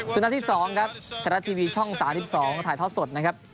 ส่วนนัดที่๒ครับไทยรัฐทีวีช่อง๓๒ถ่ายทอดสดนะครับ